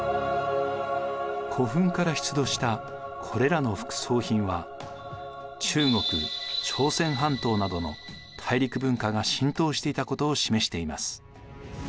古墳から出土したこれらの副葬品は中国朝鮮半島などの大陸文化が浸透していたことを示しています。